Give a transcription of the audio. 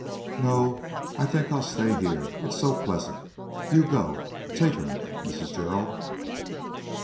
"No. I think I'll stay here. It's so pleasant. You go. Take him, Mrs. Gerald."